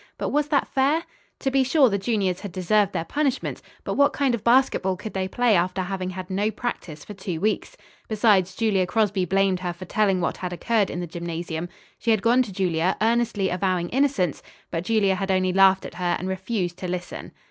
But was that fair? To be sure the juniors had deserved their punishment, but what kind of basketball could they play after having had no practice for two weeks? Besides, Julia Crosby blamed her for telling what had occurred in the gymnasium. She had gone to Julia, earnestly avowing innocence, but Julia had only laughed at her and refused to listen.